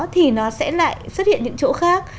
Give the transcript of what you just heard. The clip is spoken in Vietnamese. thì nó sẽ lại xuất hiện những chỗ khác